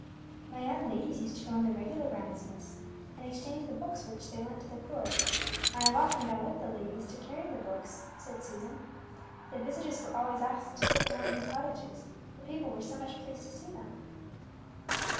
"My young ladies used to go on their regular rounds, miss, and exchange the books which they lent to the poor. I have often gone with the ladies to carry the books," said Susan. "The visitors were always asked to sit down in the cottages, the people were so much pleased to see them."